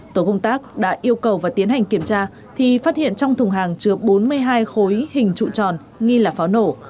tổ công tác đã yêu cầu và tiến hành kiểm tra thì phát hiện trong thùng hàng chứa bốn mươi hai khối hình trụ tròn nghi là pháo nổ